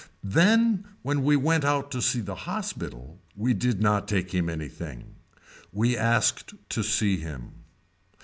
Then when we went out to see the hospital we did not take him anything. We asked to see him.